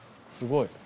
すごい。